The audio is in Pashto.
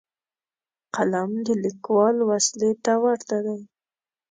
قلم د لیکوال وسلې ته ورته دی